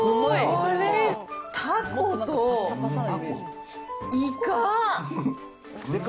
これ、タコとイカ。